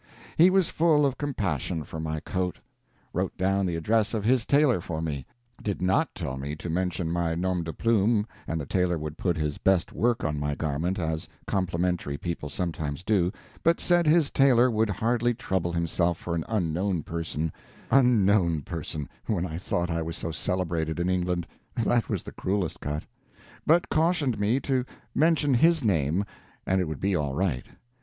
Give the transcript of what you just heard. He was full of compassion for my coat. Wrote down the address of his tailor for me. Did not tell me to mention my nom de plume and the tailor would put his best work on my garment, as complimentary people sometimes do, but said his tailor would hardly trouble himself for an unknown person (unknown person, when I thought I was so celebrated in England! that was the cruelest cut), but cautioned me to mention his name, and it would be all right.